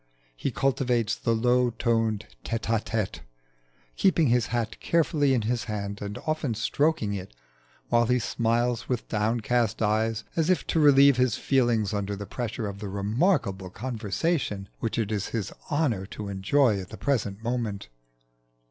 He cultivates the low toned tête à tête, keeping his hat carefully in his hand and often stroking it, while he smiles with downcast eyes, as if to relieve his feelings under the pressure of the remarkable conversation which it is his honour to enjoy at the present moment.